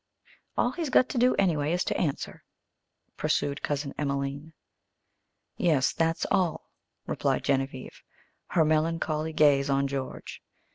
"All he's got to do, anyway, is to answer," pursued Cousin Emelene. "Yes, that's all," replied Genevieve, her melancholy gaze on George.